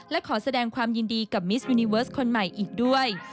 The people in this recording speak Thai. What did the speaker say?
และขอแสดงความยินดีกับมิสยูนิเวิร์สคนใหม่อีกด้วย